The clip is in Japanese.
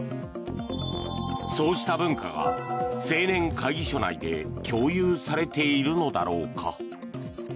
そうした文化が青年会議所内で共有されているのだろうか。